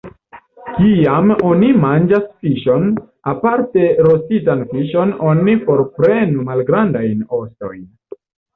Kiam oni manĝas fiŝon, aparte rostitan fiŝon, oni forprenu malgrandajn ostojn.